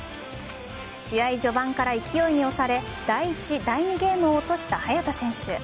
試合序盤から勢いに押され第１、第２ゲームを落とした早田選手。